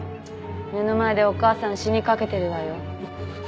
目の前でお母さん死にかけてるわよ。